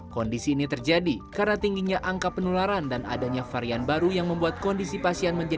kondisi ini terjadi karena tingginya angka penularan dan adanya varian baru yang membuat kondisi pasien menjadi